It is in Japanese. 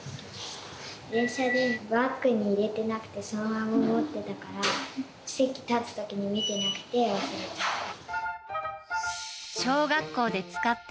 電車でバッグに入れてなくて、そのまま持ってたから、席立つときに見てなくて、忘れちゃった。